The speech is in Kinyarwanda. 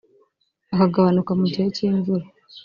akagabanuka mu gihe cy’imvura